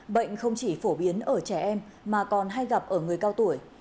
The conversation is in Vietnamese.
bệnh không chỉ phổ biến ở trẻ em mà còn hay gặp ở người cao tuổi